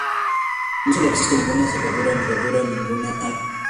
No se le resiste ninguna cerradura, ninguna alarma.